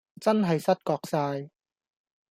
真係失覺哂